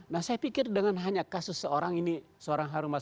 nah saya pikir dengan hanya kasus seorang ini seorang harun masif